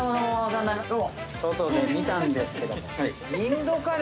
外で見たんですけども。